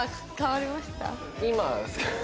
今ですか？